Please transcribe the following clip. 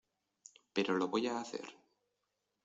pero lo voy a hacer.